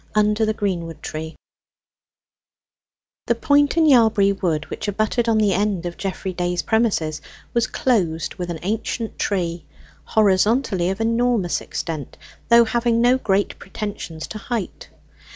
UNDER THE GREENWOOD TREE The point in Yalbury Wood which abutted on the end of Geoffrey Day's premises was closed with an ancient tree, horizontally of enormous extent, though having no great pretensions to height.